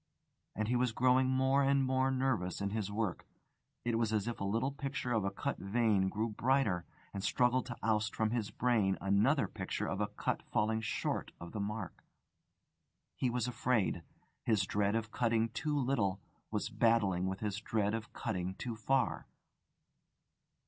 And he was growing more and more nervous in his work. It was as if a little picture of a cut vein grew brighter, and struggled to oust from his brain another picture of a cut falling short of the mark. He was afraid: his dread of cutting too little was battling with his dread of cutting too far.